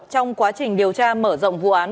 trong quá trình điều tra mở rộng vụ án